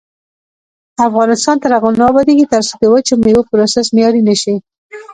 افغانستان تر هغو نه ابادیږي، ترڅو د وچو میوو پروسس معیاري نشي.